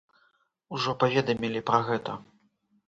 Ужо паведамілі пра гэта.